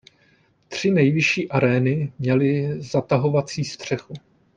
Tři největší arény měly zatahovací střechu.